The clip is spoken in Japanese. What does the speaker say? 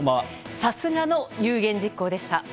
さすがの有言実行でした。